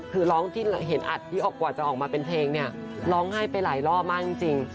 คือร้องที่เห็นอัดที่ออกกว่าจะออกมาเป็นเพลงเนี่ยร้องไห้ไปหลายรอบมากจริง